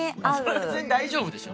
それは別に大丈夫でしょ！